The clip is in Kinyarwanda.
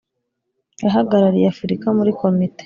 yahagarariye Afurika muri Komite